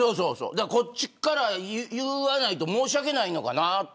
こっちから言わないと申し訳ないのかなって。